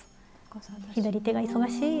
左手が忙しい。